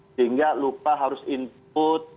sehingga lupa harus input